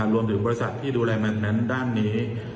รวมถึงบริษัทที่ดูแลแมคเน็นต์ด้านนี้